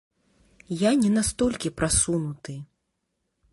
Я не настолькі прасунуты.